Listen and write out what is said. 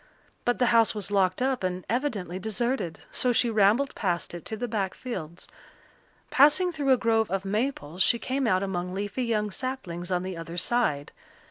But the house was locked up and evidently deserted, so she rambled past it to the back fields. Passing through a grove of maples she came out among leafy young saplings on the other side.